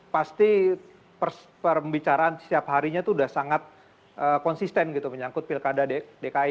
pasti pembicaraan setiap harinya itu sudah sangat konsisten gitu menyangkut pilkada dki